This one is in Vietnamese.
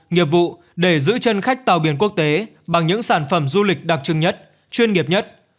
nghiệp vụ để giữ chân khách tàu biển quốc tế bằng những sản phẩm du lịch đặc trưng nhất chuyên nghiệp nhất